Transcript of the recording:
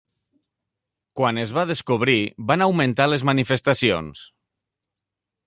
Quan es va descobrir, van augmentar les manifestacions.